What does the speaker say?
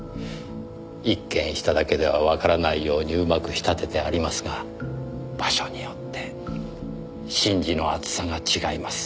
一見しただけではわからないように上手く仕立ててありますが場所によって芯地の厚さが違います。